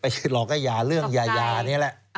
ไม่ใช่หลอกให้หย่าเรื่องหย่านี้แหละ